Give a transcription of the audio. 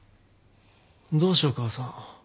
どうしよう母さん。